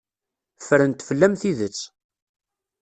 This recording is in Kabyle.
Ffrent fell-am tidet.